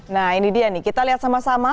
nah ini dia nih kita lihat sama sama